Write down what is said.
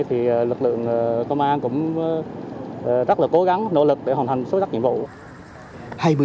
thì lực lượng công an cũng rất là cố gắng nỗ lực để hoàn thành xuất sắc nhiệm vụ